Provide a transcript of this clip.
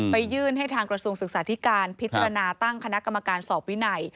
ไปยื่นให้ทางกรัสสงษ์ศึกษาที่การพิจารณาตั้งคณะกรรมการสอบวิไหน